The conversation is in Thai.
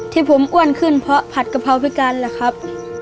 ที่ผมอ้วนขึ้นเพราะผัดกะเพราพิการแหละครับ